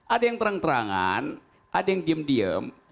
ada yang terang terangan ada yang diem diem